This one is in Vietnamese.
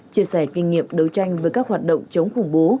chia sẻ kinh nghiệm đấu tranh với các hoạt động chống khủng bố